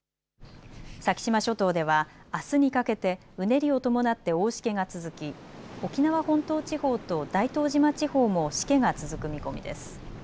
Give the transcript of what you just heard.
先島諸島ではあすにかけてうねりを伴って大しけが続き沖縄本島地方と大東島地方もしけが続く見込みです。